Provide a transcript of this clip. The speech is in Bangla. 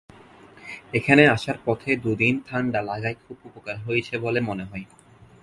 এখানে আসার পথে দুদিন ঠাণ্ডা লাগায় খুব উপকার হয়েছে বলে মনে হয়।